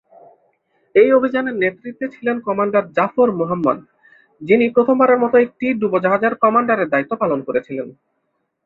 এই অভিযানের নেতৃত্বে ছিলেন কমান্ডার জাফর মুহাম্মদ, যিনি প্রথমবারের মতো একটি ডুবোজাহাজের কমান্ডারের দায়িত্ব পালন করছিলেন।